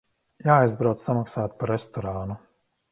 Jāaizbrauc samaksāt par restorānu.